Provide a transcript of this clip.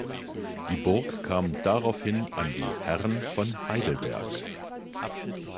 Die Burg kam daraufhin an die Herren von Heidelberg.